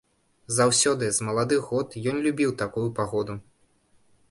Заўсёды, з маладых год, ён любіў такую пагоду.